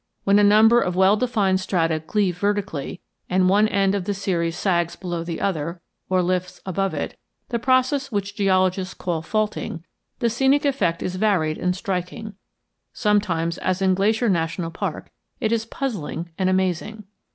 When a number of well defined strata cleave vertically, and one end of the series sags below the other, or lifts above it, the process which geologists call faulting, the scenic effect is varied and striking; sometimes, as in Glacier National Park, it is puzzling and amazing.